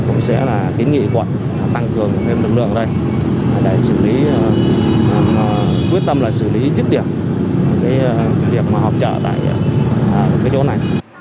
cũng sẽ là kiến nghị quận tăng cường thêm lực lượng ở đây để xử lý quyết tâm xử lý trích điểm